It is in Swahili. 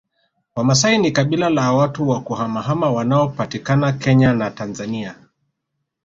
Wamasai ni kabila la watu wa kuhamahama wanaopatikana Kenya na Tanzania